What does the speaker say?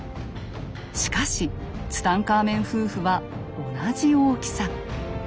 しかしツタンカーメン夫婦は同じ大きさ。